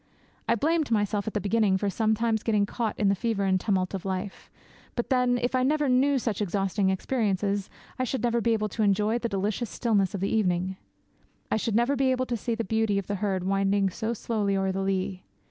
I blamed myself at the beginning for sometimes getting caught in the fever and tumult of life; but then, if I never knew such exhausting experiences, I should never be able to enjoy the delicious stillness of the evening, I should never be able to see the beauty of the herd winding so slowly o'er the lea.